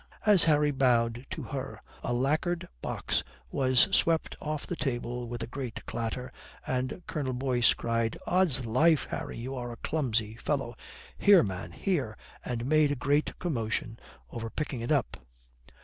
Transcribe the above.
As Harry bowed to her, a lacquered box was swept off the table with a great clatter, and Colonel Boyce cried, "Odds life, Harry, you are a clumsy fellow. Here, man, here," and made a great commotion over picking it up.